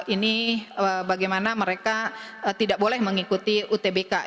ini bagaimana mereka tidak boleh mengikuti utbk